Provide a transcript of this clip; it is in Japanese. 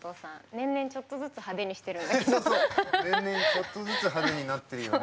年々ちょっとずつ派手になってるよね。